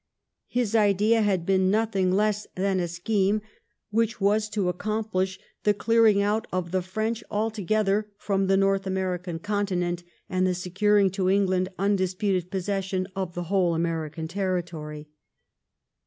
His idea had been nothing less than a scheme which was to 1712 13 THE QUEBEC FAILURE. 79 accomplish the clearing out of the French altogether from the North American continent, and the securing to England undisputed possession of the whole American territory.